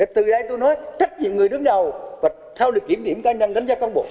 từ đây tôi nói trách nhiệm người đứng đầu và sau đó kiểm niệm cá nhân đánh giá công bộ